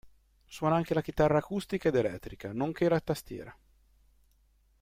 Suona anche la chitarra acustica ed elettrica, nonché la tastiera.